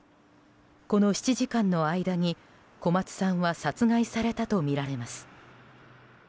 この７時間の間に小松さんは殺害されたとみられます。